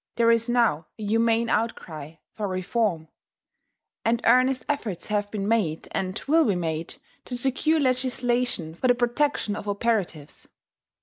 There is now a humane outcry for reform; and earnest efforts have been made, and will be made, to secure legislation for the protection of operatives.